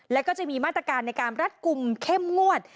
แล้วก็จะมีมาตรการในการรัดกลุ่มเข้มงวด